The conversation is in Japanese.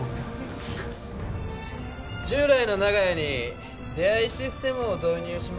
従来の長屋に出会いシステムを導入します。